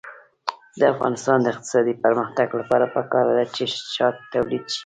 د افغانستان د اقتصادي پرمختګ لپاره پکار ده چې شات تولید شي.